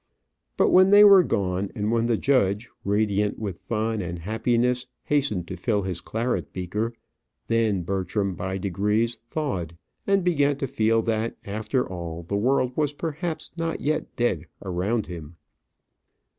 But when they were gone, and when the judge, radiant with fun and happiness, hastened to fill his claret beaker, then Bertram by degrees thawed, and began to feel that after all the world was perhaps not yet dead around him.